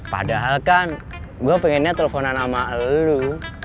padahal kan gua pengennya telponan sama lu